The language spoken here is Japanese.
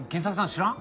知らん？